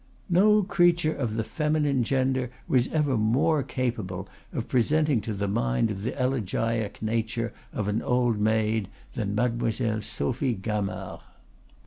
No creature of the feminine gender was ever more capable of presenting to the mind the elegaic nature of an old maid than Mademoiselle Sophie Gamard.